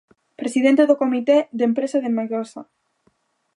Presidente do comité de empresa de Megasa.